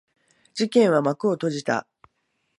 事件は幕を閉じた。